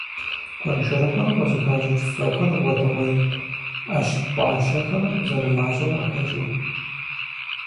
Гуэншэрыкъыр къызыхащӀыкӀ фэхэр гъуэтыгъуейт, Ӏэщ пӀащэхэр зэрымащӀэм къыхэкӀыу.